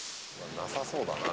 なさそうだな。